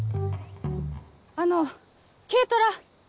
あの軽トラ。